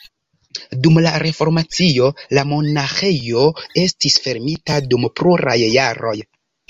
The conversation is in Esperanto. Dum la reformacio la monaĥejo estis fermita dum pluraj jaroj.